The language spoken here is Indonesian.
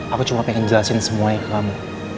aku cuma pengen jelasin semuanya ke kamu